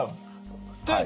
はい。